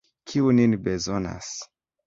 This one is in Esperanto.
Kiu nin bezonas?